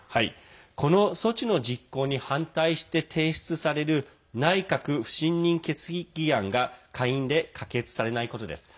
この措置の実行に反対して提出される内閣不信任決議案が下院で可決されないことです。